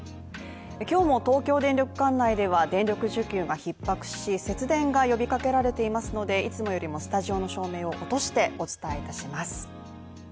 今日も東京電力管内では電力需給がひっ迫し、節電が呼びかけられていますのでいつもよりもスタジオの照明を落としてお伝えします。